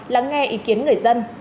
lắng nghe ý kiến người dân